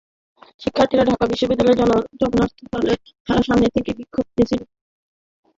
শিক্ষার্থীরা ঢাকা বিশ্ববিদ্যালয়ের জগন্নাথ হলের সামনে থেকে বিক্ষোভ মিছিল করে শাহবাগে যান।